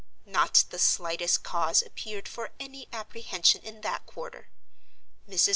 Not the slightest cause appeared for any apprehension in that quarter. Mrs.